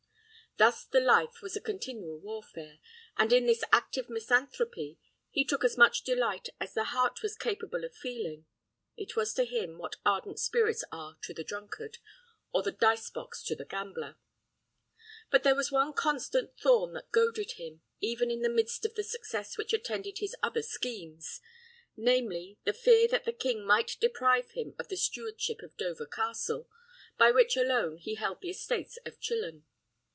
Thus his life was a continual warfare, and in this active misanthropy he took as much delight as his heart was capable of feeling. It was to him what ardent spirits are to the drunkard, or the dice box to the gambler. But there was one constant thorn that goaded him, even in the midst of the success which attended his other schemes; namely, the fear that the king might deprive him of the stewardship of Dover Castle, by which alone he held the estates of Chilham.